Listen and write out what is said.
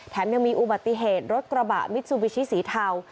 ยังมีอุบัติเหตุรถกระบะมิซูบิชิสีเทา